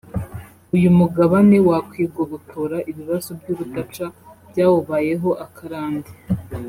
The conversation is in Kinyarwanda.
uyu mugabane wakwigobotora ibibazo by’urudaca byawubayeho akarande